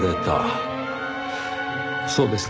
そうですか。